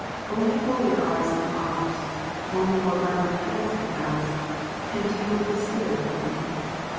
Only holier eyes than ours, only more reverent hands than ours, can deal with the spirit of a man.